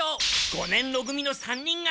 五年ろ組の３人が！